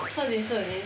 ・そうです